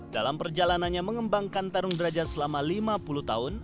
dalam perjalanannya mengembangkan tarung derajat selama lima puluh tahun